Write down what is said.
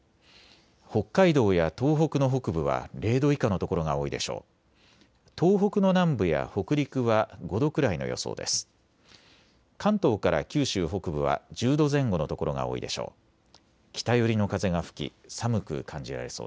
北海道や東北の北部は０度以下の所が多いでしょう。